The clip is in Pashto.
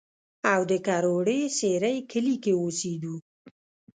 او د کروړې سېرۍ کلي کښې اوسېدو